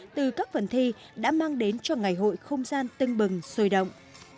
từ các phần thi đã mang đến cho ngày hội không gian tưng bừng sôi động